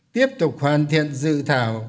tiếp tục hoàn thiện dự thảo